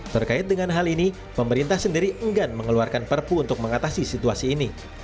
terkait dengan hal ini pemerintah sendiri enggan mengeluarkan perpu untuk mengatasi situasi ini